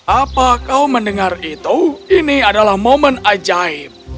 apa kau mendengar itu ini adalah momen ajaib